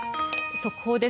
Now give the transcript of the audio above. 速報です。